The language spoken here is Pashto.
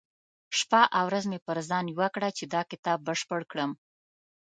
شپه او ورځ مې پر ځان يوه کړه چې دا کتاب بشپړ کړم.